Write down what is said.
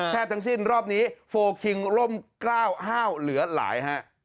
แทบทั้งสิ้นรอบนี้โฟล์คิงร่มกล้าวห้าวเหลือหลาย